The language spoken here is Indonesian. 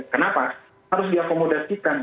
kenapa harus diakomodasikan